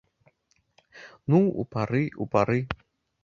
Ну, у пары, у пары!